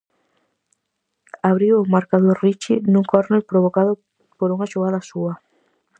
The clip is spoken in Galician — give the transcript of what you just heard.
Abriu o marcador Richi, nun córner provocado por unha xogada súa.